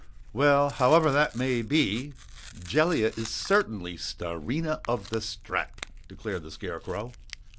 "Well, however that may be, Jellia is certainly Starina of the Strat!" declared the Scarecrow.